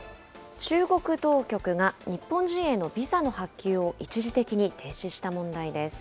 中国当局が日本人へのビザの発給を一時的に停止した問題です。